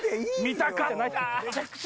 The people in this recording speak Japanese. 見たかった！